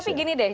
tapi gini deh